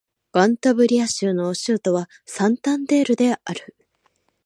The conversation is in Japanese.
カンタブリア州の州都はサンタンデールである